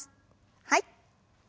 はい。